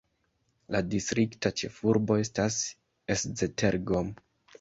La distrikta ĉefurbo estas Esztergom.